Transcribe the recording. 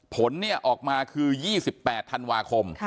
ผลเนี่ยออกมาคือ๒๘ธันวาคม